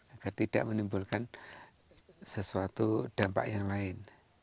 agar tidak menimbulkan sesuatu dampak yang lain